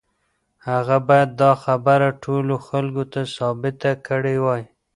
هغه بايد دا خبره ټولو خلکو ته ثابته کړې وای.